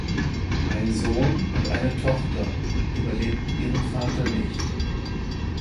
Ein Sohn und eine Tochter überlebten ihren Vater nicht.